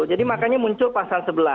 jadi makanya muncul pasal sebelas